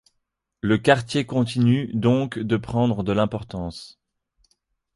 Le quartier continue donc de prendre de l'importance.